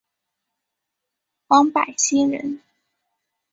王柏心人。